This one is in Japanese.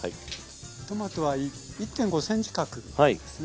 トマトは１．５ｃｍ角ですね。